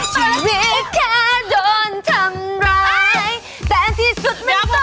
ชีวิตแค่โดนทำร้ายแต่อันที่สุดมันต้องไหม